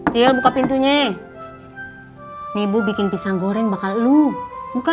cil buka pintunya nih ibu bikin pisang goreng bakal lu buka